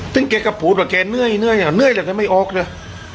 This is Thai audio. ซึ่งแกก็พูดว่าแกเหนื่อยอ่ะเหนื่อยแต่แกไม่ออกเลย